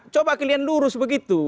coba kalian lurus begitu